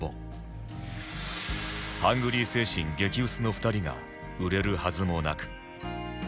ハングリー精神激薄の２人が売れるはずもなく